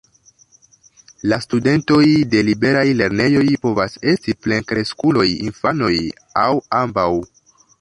La studentoj de liberaj lernejoj povas esti plenkreskuloj, infanoj aŭ ambaŭ.